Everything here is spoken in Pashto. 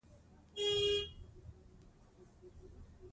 د ښوونځي په پاکوالي کې برخه واخلئ.